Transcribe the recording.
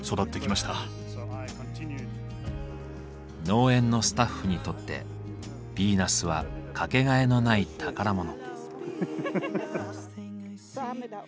農園のスタッフにとってヴィーナスは掛けがえのない宝物。